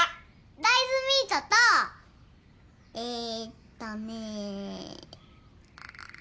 大豆ミートとえーっとね。